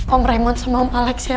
om raymond sama pak aleks ya om